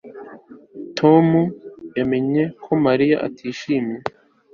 Tom yamenye ko Mariya atishimye